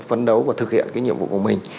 phấn đấu và thực hiện cái nhiệm vụ của mình